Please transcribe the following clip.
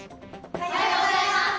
おはようございます！